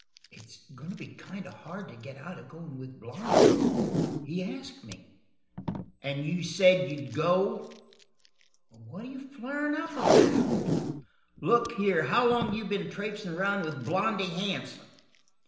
"It's going to be kind of hard to get out of going with Blondy. He asked me." "And you said you'd go?" "What are you flarin' up about?" "Look here, how long have you been traipsin' around with Blondy Hansen?"